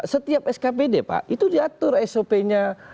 setiap skpd pak itu diatur sop nya